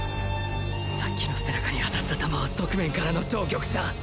さっきの背中に当たった弾は側面からの超曲射。